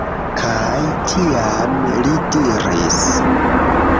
Kaj tiam li diris: